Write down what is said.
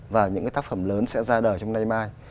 và những cái tác phẩm lớn sẽ ra đời trong nay mai